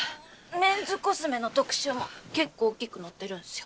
メンズコスメの特集も結構大っきく載ってるんすよ。